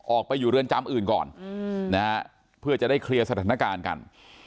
ออกไปอยู่เรือนจำอื่นก่อนนะฮะเพื่อจะได้เคลียร์สถานการณ์กัน